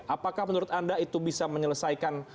apakah menurut anda itu bisa menyelesaikan